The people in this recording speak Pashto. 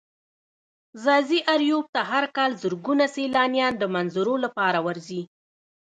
ځاځي اريوب ته هر کال زرگونه سيلانيان د منظرو لپاره ورځي.